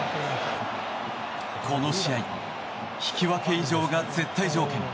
この試合引き分け以上が絶対条件。